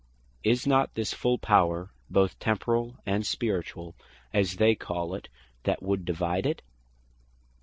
Is not this full Power, both Temporall and Spirituall, as they call it, that would divide it?